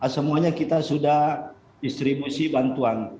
semuanya kita sudah distribusi bantuan